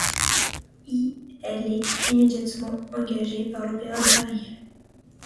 Elle est immédiatement engagée par l'Opéra de Paris.